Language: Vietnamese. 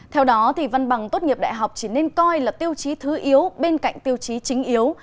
theo đó văn bằng tốt nghiệp đại học chỉ nên coi là tiêu chí thứ yếu bên cạnh tiêu chí chính yếu